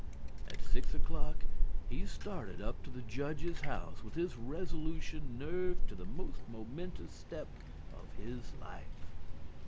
At six o'clock he started up to the judge's house with his resolution nerved to the most momentous step of his life.